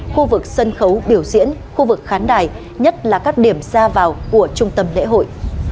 khu vực sân khấu biểu diễn khu vực khán đài nhất là các điểm ra vào của trung tâm lễ hội